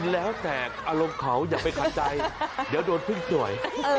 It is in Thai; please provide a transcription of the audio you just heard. แล้วแต่อารมณ์เขาอย่าไปขัดใจเดี๋ยวโดนพึ่งจ่อย